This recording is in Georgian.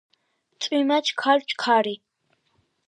წვიმა ჩქარ ჩქარი.